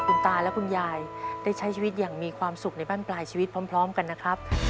คุณตาและคุณยายได้ใช้ชีวิตอย่างมีความสุขในบ้านปลายชีวิตพร้อมกันนะครับ